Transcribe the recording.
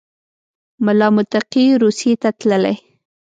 ملا متقي روسیې ته تللی